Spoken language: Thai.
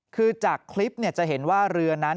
คือจากคลิปจะเห็นว่าเรือนั้น